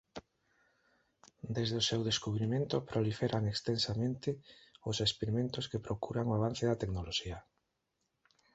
Desde o seu descubrimento proliferan extensamente os experimentos que procuran o avance da tecnoloxía.